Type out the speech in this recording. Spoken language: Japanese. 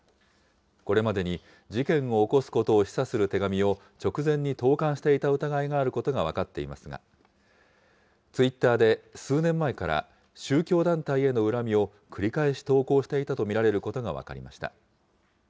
これまでに事件を起こすことを示唆する手紙を直前に投かんしていた疑いがあることが分かっていますが、ツイッターで数年前から、宗教団体への恨みを繰り返し投稿していたと見られることが分かりました。